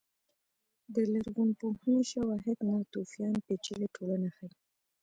د لرغونپوهنې شواهد ناتوفیان پېچلې ټولنه ښيي.